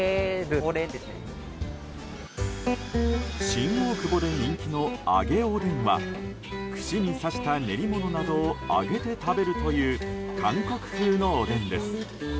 新大久保で人気の揚げおでんは串に刺した練り物などを揚げて食べるという韓国風のおでんです。